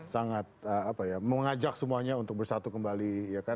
sangat mengajak semuanya untuk bersatu kembali